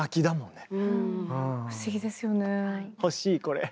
欲しいこれ。